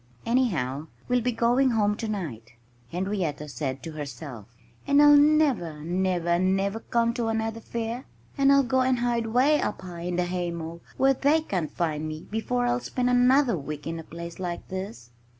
"Anyhow, we'll be going home tonight," Henrietta said to herself. "And I'll never, never, never come to another fair. I'll go and hide 'way up high in the haymow where they can't find me before I'll spend another week in a place like this."